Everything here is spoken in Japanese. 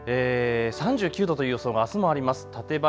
３９度という予想があすもあります。